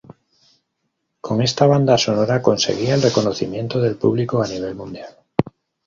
Con esta banda sonora conseguiría el reconocimiento del público a nivel mundial.